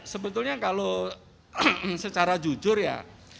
sebetulnya kalau secara jujur ya